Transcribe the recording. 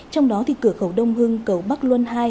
trong đó thì cửa khẩu đông hưng cầu bắc luân hai